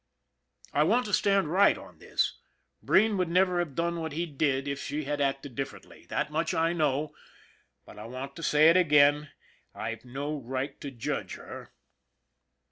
I want to stand right on this. Breen would never have done what he did if she had acted differ ently. That much I know. But, I want to say it again, I've no right to judge her.